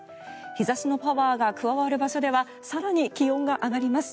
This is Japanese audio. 日差しのパワーが加わる場所では更に気温が上がります。